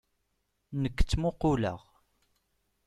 Nekk ttmuquleɣ.